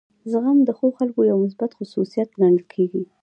زغم د ښو خلکو یو مثبت خصوصیت ګڼل کیږي.